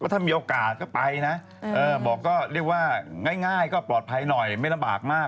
ถ้ามีโอกาสก็ไปนะบอกก็เรียกว่าง่ายก็ปลอดภัยหน่อยไม่ลำบากมาก